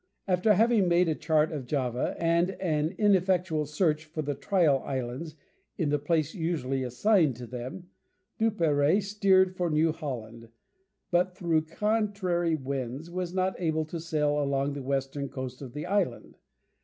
After having made a chart of Java, and an ineffectual search for the Trial Islands in the place usually assigned to them, Duperrey steered for New Holland, but through contrary winds was not able to sail along the western coast of the island.